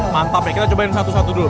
mantap ya kita cobain satu satu dulu